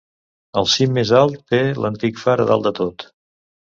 El cim més alt té l'antic far a dalt de tot.